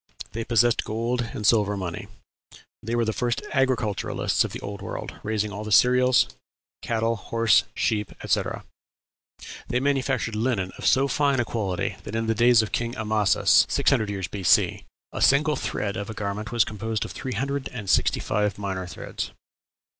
They possessed gold and silver money. They were the first agriculturists of the Old World, raising all the cereals, cattle, horses, sheep, etc. They manufactured linen of so fine a quality that in the days of King Amasis (600 years B.C.) a single thread of a garment was composed of three hundred and sixty five minor threads.